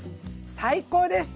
最高です！